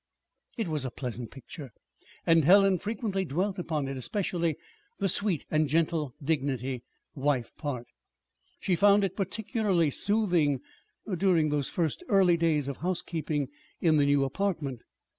It was a pleasant picture, and Helen frequently dwelt upon it especially the sweet and gentle dignity wife part. She found it particularly soothing during those first early days of housekeeping in the new apartment.